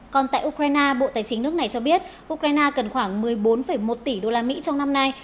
còn tại ukraine bộ tài chính nước này cho biết ukraine cần khoảng một mươi bốn một tỷ usd trong năm nay